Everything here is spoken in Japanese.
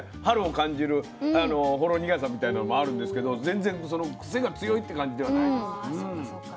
春を感じるほろ苦さみたいなのもあるんですけど全然その癖が強いって感じではないです。